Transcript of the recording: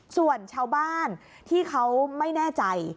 ส่วนชาวบ้านที่เขาไม่แน่ใจ